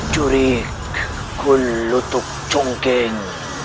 juri kulutuk congkeng